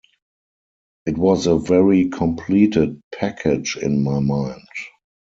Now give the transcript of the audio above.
It was a very completed package in my mind.